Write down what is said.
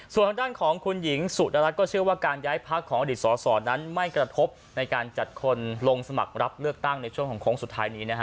ส่วนทางด้านของคุณหญิงสุดรัฐก็เชื่อว่าการย้ายพักของอดีตสอสอนั้นไม่กระทบในการจัดคนลงสมัครรับเลือกตั้งในช่วงของโค้งสุดท้ายนี้นะฮะ